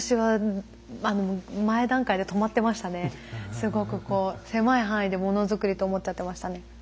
すごくこう狭い範囲でもの作りと思っちゃってましたね。